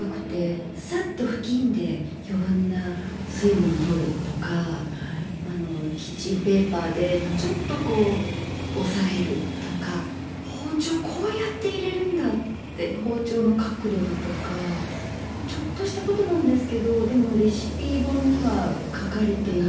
さっと布巾で余分な水分を取るとかキッチンペーパーでちょっとこう押さえるとか包丁こうやって入れるんだって包丁の角度だとかちょっとしたことなんですけどでもレシピ本には書かれていない。